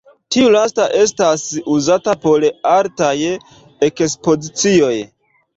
Tiu lasta estas uzata por artaj ekspozicioj.